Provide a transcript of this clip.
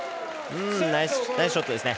ナイスショットですね！